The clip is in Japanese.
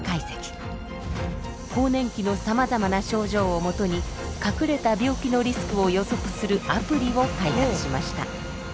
更年期のさまざまな症状を基に隠れた病気のリスクを予測するアプリを開発しました。